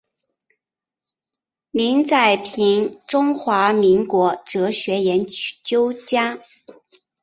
林宰平中华民国哲学研究家。